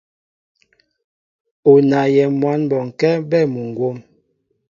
U naayɛ mwǎn bɔnkɛ́ bɛ́ muŋgwóm.